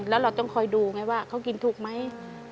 แล้วเราต้องคอยดูไงว่าเขากินถูกไหม